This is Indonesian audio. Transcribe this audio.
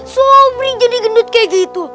soprin jadi gendut kayak gitu